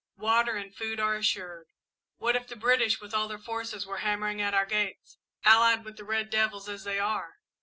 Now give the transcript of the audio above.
Water and food are assured. What if the British with all their forces were hammering at our gates, allied with the red devils as they are!